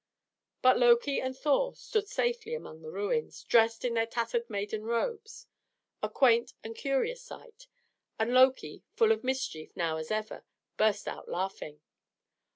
But Loki and Thor stood safely among the ruins, dressed in their tattered maiden robes, a quaint and curious sight; and Loki, full of mischief now as ever, burst out laughing.